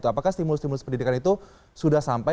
apakah stimulus stimulus pendidikan itu sudah sampai